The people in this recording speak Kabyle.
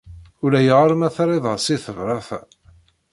Ulayɣer ma terrid-as i tebṛat-a.